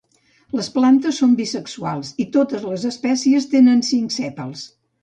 Les plantes són bisexuals, i totes les espècies tenen cinc sèpals.